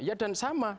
ya dan sama